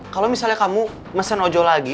kalo misalnya kamu pesan ojol lagi